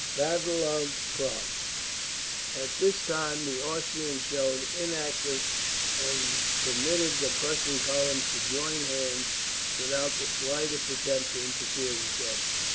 [Map: Battle of Prague] All this time the Austrians stood inactive, and permitted the Prussian columns to join hands without the slightest attempt to interfere with them.